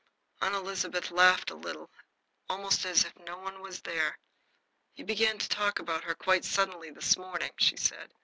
Aunt Elizabeth laughed a little, almost as if no one were there. "He began to talk about her quite suddenly this morning," she said.